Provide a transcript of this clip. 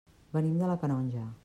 Venim de la Canonja.